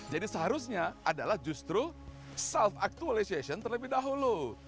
jadi seharusnya adalah justru self actualization terlebih dahulu